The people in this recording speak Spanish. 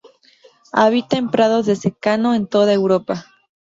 Habita en prados de secano en toda Europa.